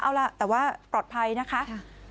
เอาล่ะแต่ว่าปลอดภัยนะคะ